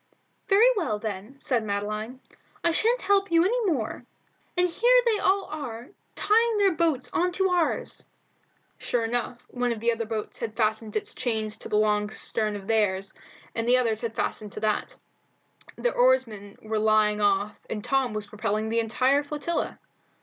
"Very well, then," said Madeline, "I sha'n't help you any more; and here they all are tying their boats on to ours." Sure enough, one of the other boats had fastened its chain to the stern of theirs, and the others had fastened to that; their oarsmen were lying off and Tom was propelling the entire flotilla.